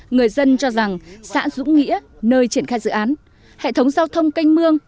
người dân cho rằng xã dũng nghĩa nơi triển khai dự án hệ thống giao thông canh mương